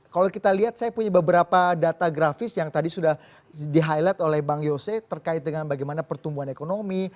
kalau kita lihat saya punya beberapa data grafis yang tadi sudah di highlight oleh bang yose terkait dengan bagaimana pertumbuhan ekonomi